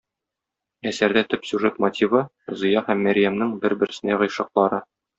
Әсәрдә төп сюжет мотивы - Зыя һәм Мәрьямнең бер-берсенә гыйшыклары.